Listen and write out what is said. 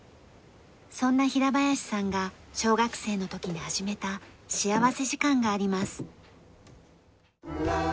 そんな平林さんが小学生の時に始めた幸福時間があります。